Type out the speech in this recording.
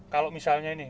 kalau misalnya ini